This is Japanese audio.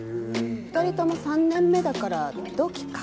２人とも３年目だから同期か。